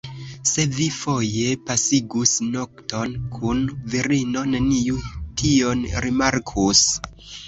Se vi foje pasigus nokton kun virino, neniu tion rimarkus.